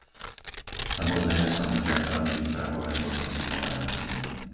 Samozrejme sa musia stanoviť prahové hodnoty tolerancie.